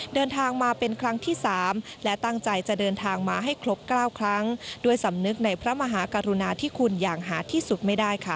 เดินทางมาเป็นครั้งที่๓และตั้งใจจะเดินทางมาให้ครบ๙ครั้งด้วยสำนึกในพระมหากรุณาที่คุณอย่างหาที่สุดไม่ได้ค่ะ